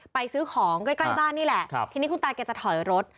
ซื้อของใกล้ใกล้บ้านนี่แหละทีนี้คุณตาแกจะถอยรถ